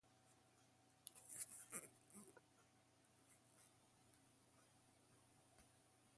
Nevertheless, Geraldine remains her commonly accepted name.